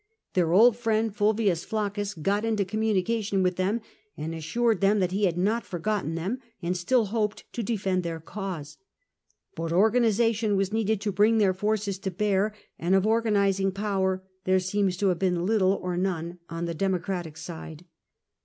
Their old friend, Fulvius Flaccus, got into communication with them, and assured them that he had not forgotten them, and still hoped to defend their cause. But organisa tion was needed to bring their forces to bear, and of organising power there seems to have been little or none on the Democratic side.